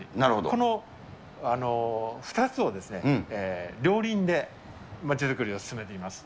この２つを両輪で街づくりを進めています。